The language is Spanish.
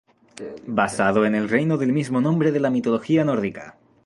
Basado en el reino del mismo nombre de la mitología nórdica.